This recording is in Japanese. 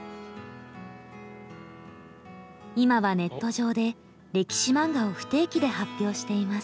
今はネット上で歴史漫画を不定期で発表しています。